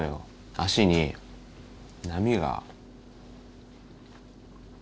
足に波が。